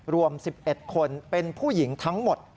รวม๑๑คนเป็นผู้หญิงทั้งหมด